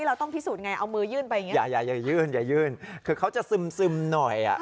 ยังแต่มันก็อ่อนแรงเหมือนกันนะคุณ